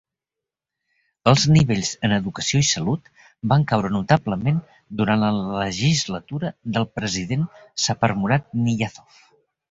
Els nivells en educació i salut van caure notablement durant la legislatura del president Saparmurat Niyazov.